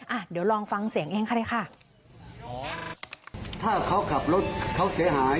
อ่ะเดี๋ยวลองฟังเสียงเองค่ะเลยค่ะอ๋อถ้าเขาขับรถเขาเสียหาย